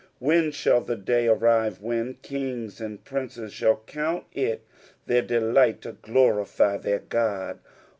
When shall the day arrive when kings and princes shall count it their delight to glorify their God?